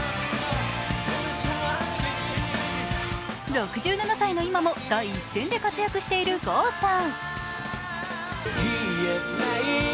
６７歳の今も第一線で活躍している郷さん。